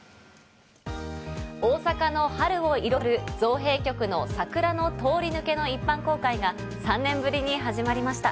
大阪の春を彩る造幣局の桜の通り抜けの一般公開が３年ぶりに始まりました。